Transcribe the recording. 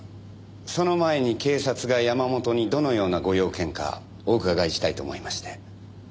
その前に警察が山本にどのようなご用件かお伺いしたいと思いまして。